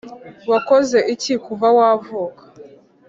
wakoze iki kuva wavuka